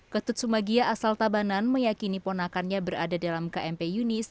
ketut sumagia asal tabanan meyakini ponakannya berada dalam kmp yunis